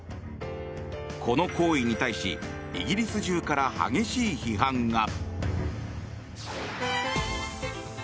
この行為に対しイギリス中から激しい批判が。